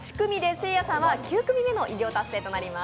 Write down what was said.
せいやさんは９組目の偉業達成となります。